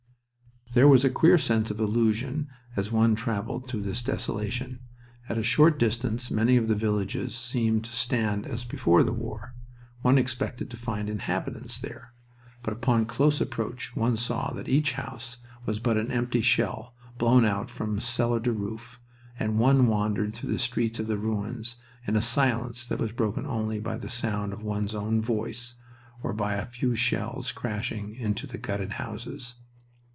There was a queer sense of illusion as one traveled through this desolation. At a short distance many of the villages seemed to stand as before the war. One expected to find inhabitants there. But upon close approach one saw that each house was but an empty shell blown out from cellar to roof, and one wandered through the streets of the ruins in a silence that was broken only by the sound of one's own voice or by a few shells crashing into the gutted houses.